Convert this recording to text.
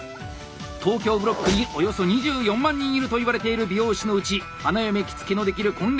東京ブロックにおよそ２４万人いるといわれている美容師のうち花嫁着付のできる婚礼